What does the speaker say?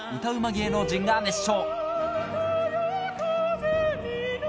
芸能人が熱唱。